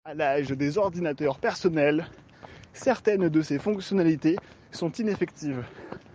À l'âge des ordinateurs personnels, certaines de ces fonctionnalités sont ineffectives.